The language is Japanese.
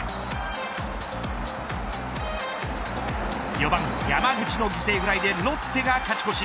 ４番山口の犠牲フライでロッテが勝ち越し。